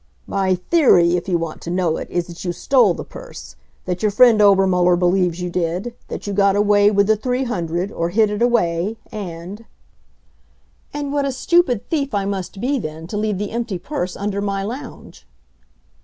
"My theory, if you want to know it, is that you stole the purse; that your friend Obermuller believes you did; that you got away with the three hundred, or hid it away, and " "And what a stupid thief I must be, then, to leave the empty purse under my lounge!"